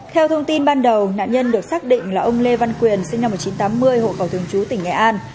theo thông tin ban đầu nạn nhân được xác định là ông lê văn quyền sinh năm một nghìn chín trăm tám mươi hộ khẩu thường chú tỉnh nghệ an